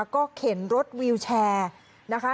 ก็เข็นรถวิวแชร์